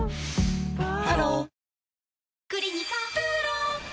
ハロー